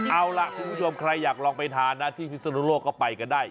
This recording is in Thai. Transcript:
เอาล่ะคุณผู้ชมใครอยากลองไปทานนะที่พิศนุโลกก็ไปกันได้